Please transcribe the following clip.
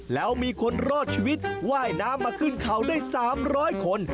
แล้วมีคนรอดชีวิตว่ายน้ำมาขึ้นเขาได้๓๐๐คน